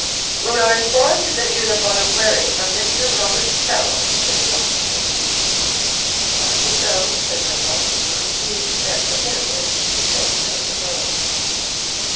"We are informed that you have bought a wherry from Mr. Robert Farrell," said the officer. "That is so," said Nuttall, who conceived that for him this was the end of the world.